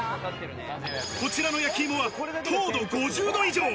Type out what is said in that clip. こちらの焼き芋は糖度５０度以上。